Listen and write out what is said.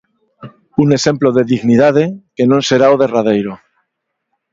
Un exemplo de dignidade, que non será o derradeiro.